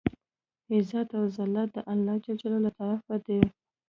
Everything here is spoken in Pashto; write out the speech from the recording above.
عزت او زلت د الله ج له طرفه دی.